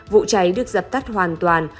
vụ cháy được dập tắt hoàn toàn